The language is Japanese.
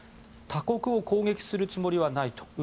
他国を攻撃するつもりはないと。